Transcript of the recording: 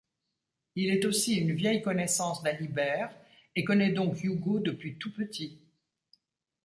Il est aussi une vieille connaissance d'Alibert, et connaît donc Yugo depuis tout petit.